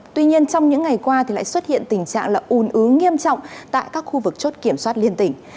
tuy nhiên trong những ngày qua thì lại xuất hiện tình trạng là un ứ nghiêm trọng tại các khu vực chốt kiểm soát liên tỉnh